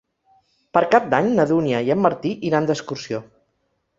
Per Cap d'Any na Dúnia i en Martí iran d'excursió.